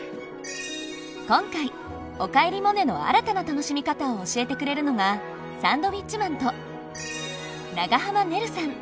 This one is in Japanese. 今回「おかえりモネ」の新たな楽しみ方を教えてくれるのがサンドウィッチマンと長濱ねるさん。